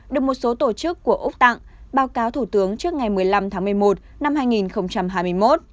được một số tổ chức của úc tặng báo cáo thủ tướng trước ngày một mươi năm tháng một mươi một năm hai nghìn hai mươi một